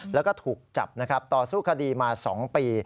แล้วก็ถูกจับนะครับต่อสู้คดีมา๒ปี